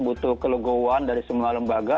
butuh kelegohan dari semua lembaga